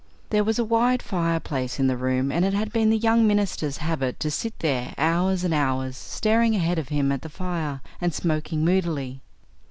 There was a wide fireplace in the room, and it had been the young minister's habit to sit there hours and hours, staring ahead of him at the fire, and smoking moodily.